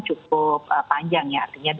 cukup panjang ya artinya dua belas